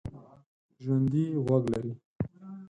ژوندي غوږ لري